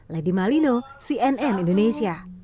lady malino cnn indonesia